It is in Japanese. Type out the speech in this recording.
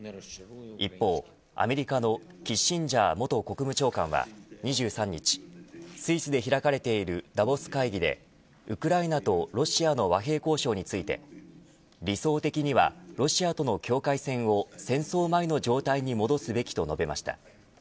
一方、アメリカのキッシンジャー元国務長官は２３日スイスで開かれているダボス会議でウクライナとロシアの和平交渉について理想的にはロシアとの境界線を戦争前の状態に戻すべきと述べました。